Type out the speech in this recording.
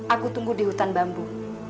aku tunggu di hutan bambu